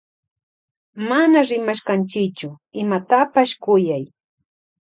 Mana rimashkanchichu imatapash kuyay.